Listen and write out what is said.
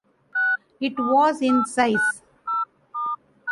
It was in size.